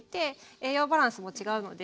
栄養バランスも違うので。